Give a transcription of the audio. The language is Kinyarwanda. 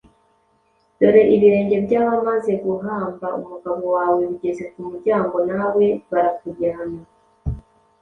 Dore ibirenge by’abamaze guhamba umugabo wawe bigeze ku muryango, nawe barakujyana.